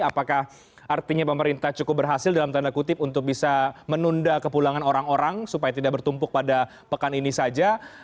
apakah artinya pemerintah cukup berhasil dalam tanda kutip untuk bisa menunda kepulangan orang orang supaya tidak bertumpuk pada pekan ini saja